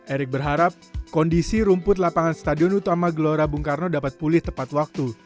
erick berharap kondisi rumput lapangan stadion utama gbk dapat pulih tepat waktu